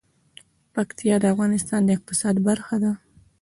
پکتیا د افغانستان د اقتصاد برخه ده.